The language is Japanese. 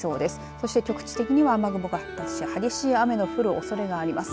そして局地的には雨雲が発達し激しい雨の降るおそれがあります。